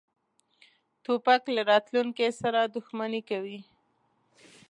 توپک له راتلونکې سره دښمني کوي.